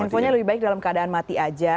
infonya lebih baik dalam keadaan mati aja